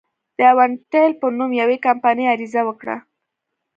د اوانټل په نوم یوې کمپنۍ عریضه وکړه.